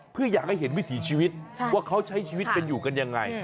เพื่ออยากให้เห็นวิถีชีวิตว่าเขาใช้ชีวิตกันอยู่กันยังไง